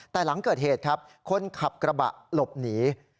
แต่หลังเกิดเหตุครับคนขับกระบะหลบหนี